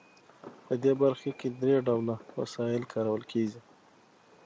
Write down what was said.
په دې برخه کې درې ډوله وسایل کارول کیږي.